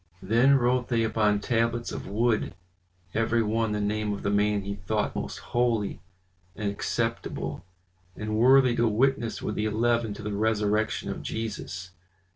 Then wrote they upon tablets of wood, every one the name of the man he thought most holy and acceptable, and worthy to witness with the eleven to the resurrection of Jesus.